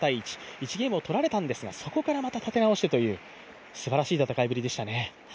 １ゲームを取られたんですけど、そこからまた立て直してという、すばらしい戦いでしたね。